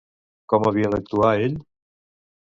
Com havia d'actuar ell?